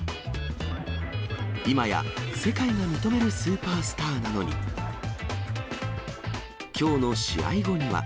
いまや世界が認めるスーパースターなのに、きょうの試合後には。